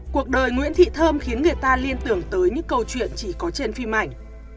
cuộc đời nguyễn thị thơm khiến người ta liên tưởng tới những câu chuyện chỉ có trên phim ảnh